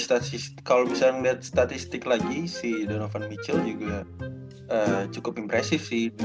tapi ya kalo misalnya liat statistik lagi si donovan mitchell juga cukup impresif sih